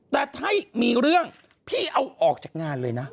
แต่ถ้ามีเรื่องพี่เอาออกจากงานเลยนะ